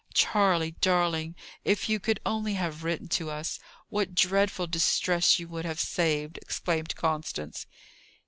"Charley, darling, if you could only have written to us, what dreadful distress you would have saved!" exclaimed Constance.